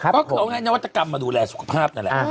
ก็คือเอาง่ายนวัตกรรมมาดูแลสุขภาพนั่นแหละ